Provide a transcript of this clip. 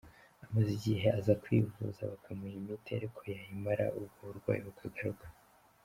Amaze igihe aza kwivuza bakamuha imiti ariko yayimara ubwo burwayi bukagaruka.